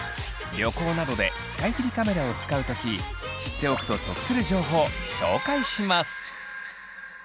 旅行などで使い切りカメラを使う時知っておくと得する情報紹介します！